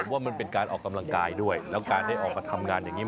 ผมว่ามันเป็นการออกกำลังกายด้วยแล้วการได้ออกมาทำงานอย่างนี้